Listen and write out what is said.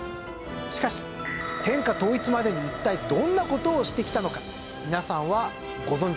しかし天下統一までに一体どんな事をしてきたのか皆さんはご存じですか？